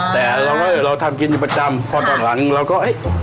แต่เราก็เราทำกินอยู่ประจำพอตอนหลังเราก็เอ๊ะ